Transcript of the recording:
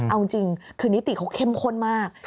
เอาจริงคือนิติเขาเข้มข้นมาก